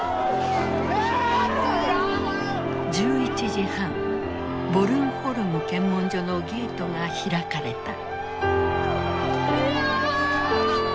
１１時半ボルンホルム検問所のゲートが開かれた。